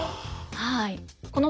はい。